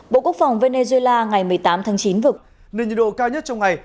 bộ quốc phòng venezuela ngày một mươi tám tháng chín vực nền nhiệt độ cao nhất trong ngày